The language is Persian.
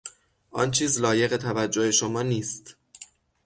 آن چیز لایق توجه شما نیست.